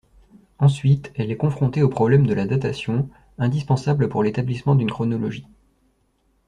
Ensuite, elle est confrontée au problème de la datation, indispensable pour l'établissement d'une chronologie.